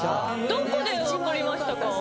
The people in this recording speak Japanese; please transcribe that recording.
どこで分かりましたか？